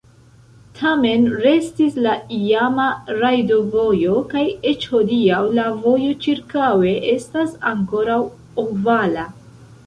Tamen restis la iama rajdovojo kaj eĉ hodiaŭ la vojo ĉirkaŭe estas ankoraŭ ovala.